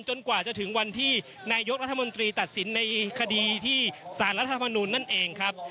กว่าจะถึงวันที่นายกรัฐมนตรีตัดสินในคดีที่สารรัฐธรรมนูลนั่นเองครับ